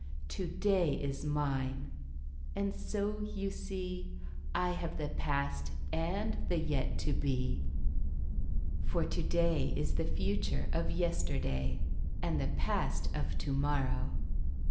"To day is mine. And so, you see, I have the past and the yet to be; "For to day is the future of yesterday, And the past of to morrow.